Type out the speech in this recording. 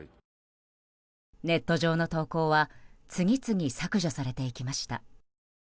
ネット上の投稿は次々、削除されていきました。